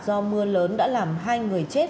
do mưa lớn đã làm hai người chết